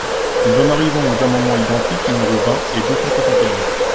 Nous en arrivons aux amendements identiques numéros vingt et deux cent soixante et onze.